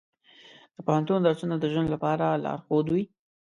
د پوهنتون درسونه د ژوند لپاره لارښود وي.